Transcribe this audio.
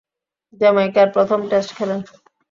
জ্যামাইকায় প্রথম টেস্ট খেলেন।